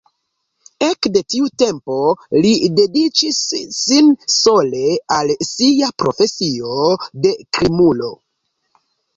Ekde tiu tempo li dediĉis sin sole al sia „profesio“ de krimulo.